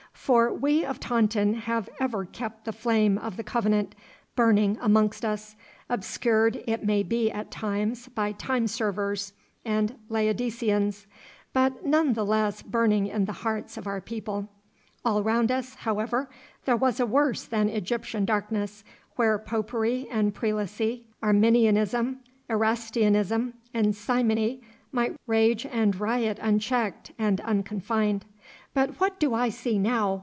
For we of Taunton have ever kept the flame of the Covenant burning amongst us, obscured it may be at times by time servers and Laodiceans, but none the less burning in the hearts of our people. All round us, however, there was a worse than Egyptian darkness, where Popery and Prelacy, Arminianism, Erastianism, and Simony might rage and riot unchecked and unconfined. But what do I see now?